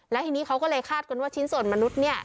แล้วทีนี้เขาก็เลยคาดกันว่าชิ้นส่วนมนุษย์เนี่ย